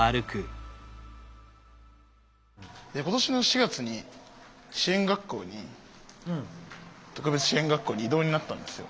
今年の４月に支援学校に特別支援学校に異動になったんですよ。